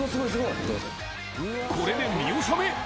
これで見納め？